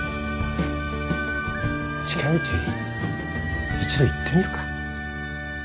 近いうち一度行ってみるか。